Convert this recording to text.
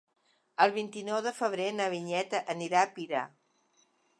El vint-i-nou de febrer na Vinyet anirà a Pira.